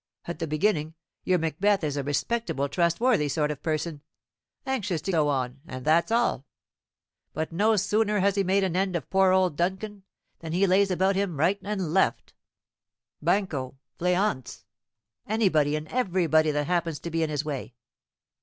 At the beginning, your Macbeth is a respectable trustworthy sort of person, anxious to get on in life, and so on, and that's all; but no sooner has he made an end of poor old Duncan, than he lays about him right and left Banquo, Fleance, anybody and everybody that happens to be in his way.